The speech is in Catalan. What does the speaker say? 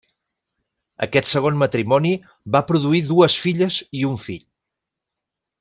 Aquest segon matrimoni va produir dues filles i un fill.